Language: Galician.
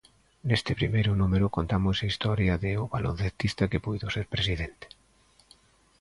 Neste primeiro número contamos a historia de "O baloncestista que puido ser presidente".